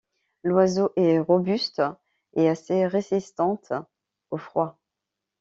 L'oiseau est robuste et assez résistante au froid.